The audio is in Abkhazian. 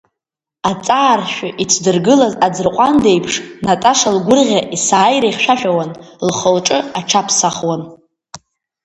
Аҵааршәы ицәдыргылаз аӡырҟәанда еиԥш, Наташа лгәырӷьа есааира ихьшәашәауан, лхы-лҿы аҽаԥсахуан.